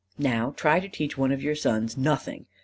Now try to teach one of your sons nothing!